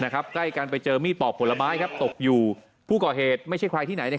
ใกล้กันไปเจอมีดปอกผลไม้ตกอยู่ผู้ก่อเหตุไม่ใช่ใครที่ไหน